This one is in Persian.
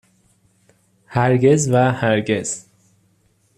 هرگز و هرگز